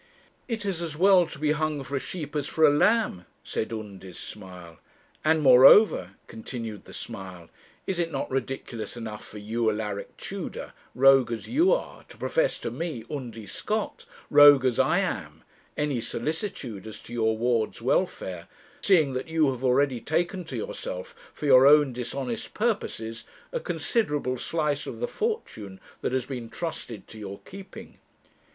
'It is as well to be hung for a sheep as for a lamb,' said Undy's smile; 'and, moreover,' continued the smile, 'is it not ridiculous enough for you, Alaric Tudor, rogue as you are, to profess to me, Undy Scott, rogue as I am, any solicitude as to your ward's welfare, seeing that you have already taken to yourself, for your own dishonest purposes, a considerable slice of the fortune that has been trusted to your keeping?